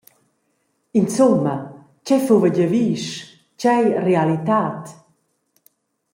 Insumma, tgei fuva giavisch, tgei realitad?